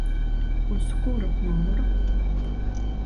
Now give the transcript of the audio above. Uz kuru numuru?